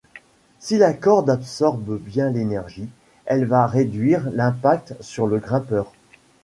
Si la corde absorbe bien l’énergie, elle va réduire l’impact sur le grimpeur.